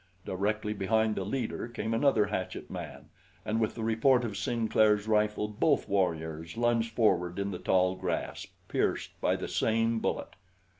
Directly behind the leader came another hatchet man, and with the report of Sinclair's rifle both warriors lunged forward in the tall grass, pierced by the same bullet.